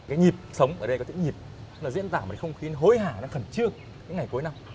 cái nhịp sống ở đây có thể nhịp là diễn tả một cái không khí hối hả nó khẩn trương những ngày cuối năm